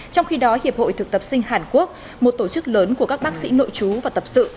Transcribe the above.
trong khi đó hiệp hội thực tập sinh hàn quốc một tổ chức lớn của các bác sĩ nội chú và tập sự